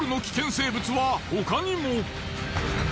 生物は他にも。